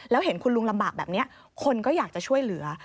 แล้วเห็นคุณลุงลำบากแบบนี้คนก็อยากจะช่วยเหลือ